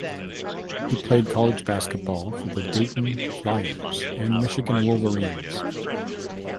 He played college basketball for the Dayton Flyers and Michigan Wolverines.